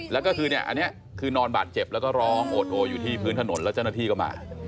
แล้วก็คือเนี่ยอันนี้คือนอนบาดเจ็บแล้วก็ร้องโอดโออยู่ที่พื้นถนนแล้วเจ้าหน้าที่ก็มา